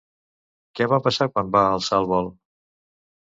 Què va passar quan va alçar el vol?